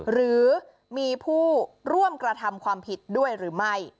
หรือมีผู้ร่วมกระทำความผิดด้วยหรือไม่